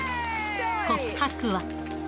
告白は。